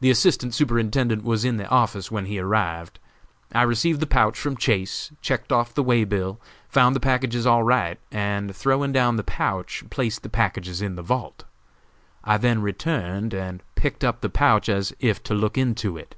The Assistant Superintendent was in the office when he arrived. I received the pouch from Chase, checked off the way bill, found the packages all right, and throwing down the pouch, placed the packages in the vault. I then returned and picked up the pouch as if to look into it.